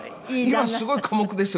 今すごい寡黙ですよ